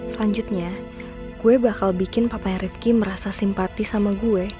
selanjutnya gue bakal bikin papaya rifki merasa simpati sama gue